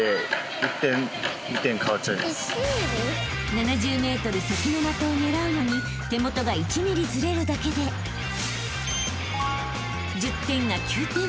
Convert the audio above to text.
［７０ｍ先の的を狙うのに手元が１ｍｍずれるだけで１０点が９点に］